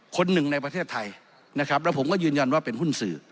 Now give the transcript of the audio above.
คนหนึ่งในประเทศไทยนะครับแล้วผมก็ยืนยันว่าเป็นหุ้นสื่อ